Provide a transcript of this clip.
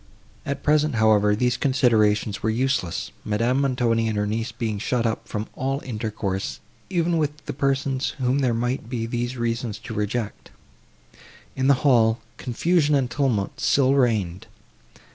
At present, however, these considerations were useless, Madame Montoni and her niece being shut up from all intercourse, even with the persons, whom there might be these reasons to reject. In the hall, confusion and tumult still reigned.